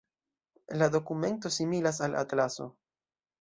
La dokumento similas al atlaso.